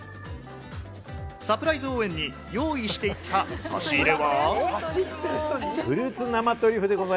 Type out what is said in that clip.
サプライズ応援に用意していった差し入れは。